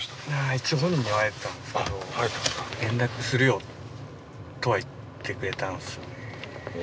一応本人には会えたんですけど「連絡するよ」とは言ってくれたんですよね。